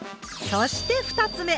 そして２つ目！